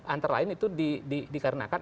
antara lain itu dikarenakan